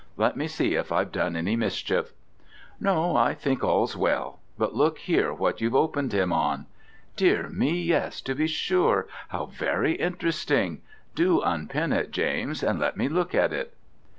Let me see if I've done any mischief." "No, I think all's well: but look here what you've opened him on." "Dear me, yes, to be sure! how very interesting. Do unpin it, James, and let me look at it."